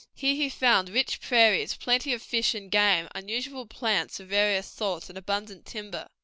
Here he found rich prairies, plenty of fish and game, unusual plants of various sorts, and abundant timber.